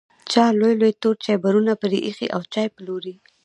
چا لوی لوی تور چایبرونه پرې ایښي او چای پلوري.